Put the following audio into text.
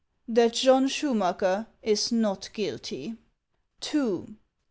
That John Schumacker is not guilty ;" II.